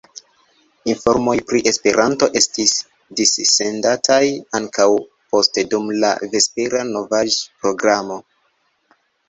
Informoj pri Esperanto estis dissendataj ankaŭ poste dum la vespera novaĵ-programo.